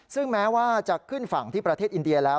ซึ่งแม้ว่าจะขึ้นฝั่งที่ประเทศอินเดียแล้ว